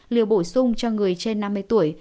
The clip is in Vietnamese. liều bổ sung cho người trên năm mươi tuổi